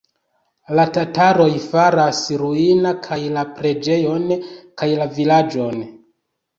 La tataroj faras ruina kaj la preĝejon, kaj la vilaĝon.